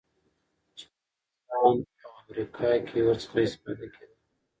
چی په انګلستان او امریکا کی ورڅخه اسفتاده کیدل